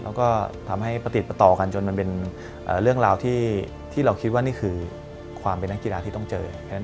แล้วก็ทำให้ประติดประต่อกันจนมันเป็นเรื่องราวที่เราคิดว่านี่คือความเป็นนักกีฬาที่ต้องเจอ